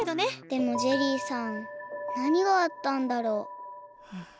でもジェリーさんなにがあったんだろう？